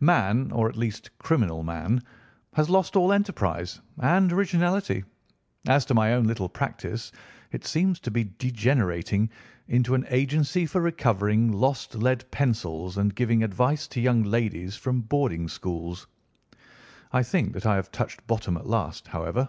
Man, or at least criminal man, has lost all enterprise and originality. As to my own little practice, it seems to be degenerating into an agency for recovering lost lead pencils and giving advice to young ladies from boarding schools. I think that I have touched bottom at last, however.